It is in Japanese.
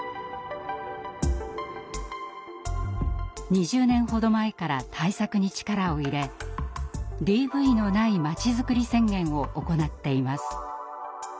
２０年ほど前から対策に力を入れＤＶのないまちづくり宣言を行っています。